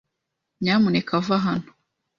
Nyamuneka va hano.